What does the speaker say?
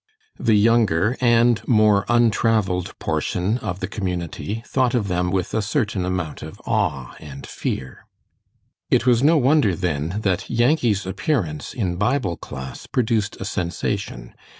The younger and more untraveled portion of the community thought of them with a certain amount of awe and fear. It was no wonder, then, that Yankee's appearance in Bible class produced a sensation.